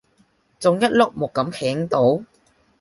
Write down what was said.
仲一碌木咁企喺度？